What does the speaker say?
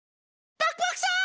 パクパクさん！